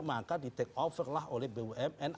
maka di take over lah oleh bumn